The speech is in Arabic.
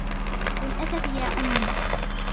للاسف يا أمي.